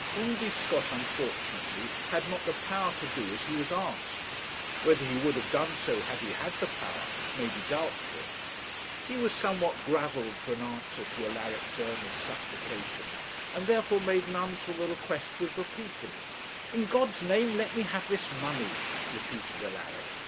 Undy Scott unfortunately had not the power to do as he was asked. Whether he would have done so, had he had the power, may be doubtful. He was somewhat gravelled for an answer to Alaric's earnest supplication, and therefore made none till the request was repeated. 'In God's name let me have this money,' repeated Alaric.